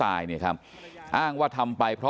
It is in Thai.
ตลอดทั้งคืนตลอดทั้งคืน